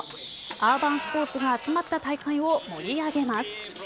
アーバンスポーツが集まった大会を盛り上げます。